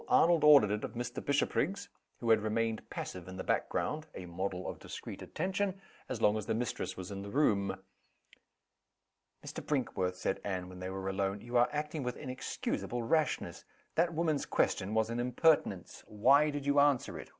Arnold ordered it of Mr. Bishopriggs who had remained passive in the back ground (a model of discreet attention) as long as the mistress was in the room. "Mr. Brinkworth!" said Anne, when they were alone, "you are acting with inexcusable rashness. That woman's question was an impertinence. Why did you answer it?